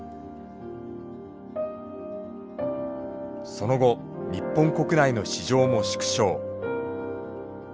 その後日本国内の市場も縮小。